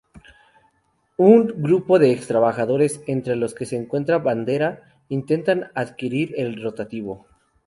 Un grupo de ex-trabajadores, entre los que se encuentra Bandera, intentan adquirir el rotativo.